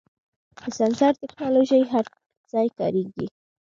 د سنسر ټکنالوژي هر ځای کارېږي.